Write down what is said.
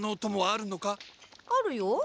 あるよ。